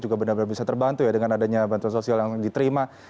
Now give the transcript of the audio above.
juga benar benar bisa terbantu ya dengan adanya bantuan sosial yang diterima